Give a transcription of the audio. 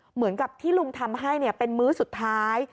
เหมือนกับที่ลุงทำให้เป็นมื้อสุดท้าย